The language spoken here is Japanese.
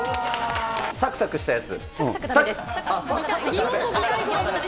サクサクしたやつ。